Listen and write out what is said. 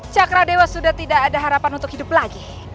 cakra dewa sudah tidak ada harapan untuk hidup lagi